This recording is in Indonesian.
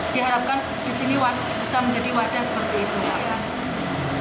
diharapkan di sini bisa menjadi wadah seperti itu